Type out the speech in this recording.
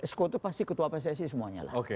esko itu pasti ketua pssi semuanya lah